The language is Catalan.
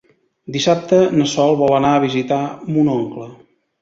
Dissabte na Sol vol anar a visitar mon oncle.